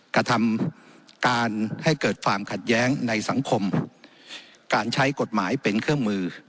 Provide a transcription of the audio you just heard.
กระทำการให้เกิดความขัดแย้งในสังคมการใช้กฎหมายเป็นเครื่องมือ